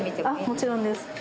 もちろんです。